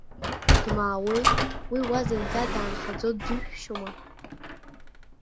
Дмаауеи, уи уа зынӡа даанхаӡо џьышәшьома?